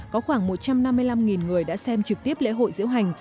có khoảng một trăm năm mươi năm người đã xem trực tiếp lễ hội diễu hành